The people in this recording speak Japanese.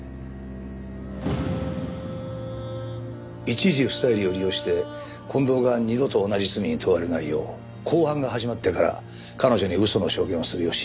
一事不再理を利用して近藤が二度と同じ罪に問われないよう公判が始まってから彼女に嘘の証言をするよう指示した。